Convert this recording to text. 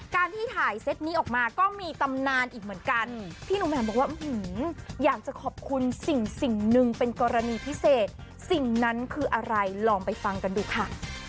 ที่ถ่ายเซตนี้ออกมาก็มีตำนานอีกเหมือนกันพี่หนุ่มแหม่มบอกว่าอยากจะขอบคุณสิ่งหนึ่งเป็นกรณีพิเศษสิ่งนั้นคืออะไรลองไปฟังกันดูค่ะ